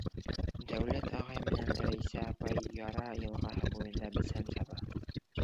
Дәүләт ағай менән Рәйсә апай Яра йылғаһы буйында бесән саба.